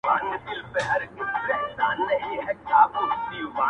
o اغزى د گل د رويه اوبېږي!